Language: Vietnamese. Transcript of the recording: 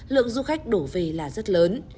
lượng du khách đổ về là rất lớn